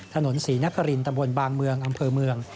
ถนนศรีนครินตำบลบางเมืองอำเภอเมือง